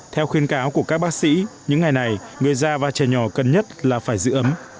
theo khuyên cáo của các bác sĩ những ngày này người già và trẻ nhỏ cần nhất là phải giữ ấm